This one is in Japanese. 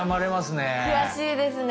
悔しいですね。